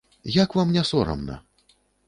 Як вам не сорамна?